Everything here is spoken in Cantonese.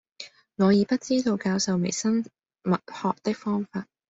我已不知道教授微生物學的方法，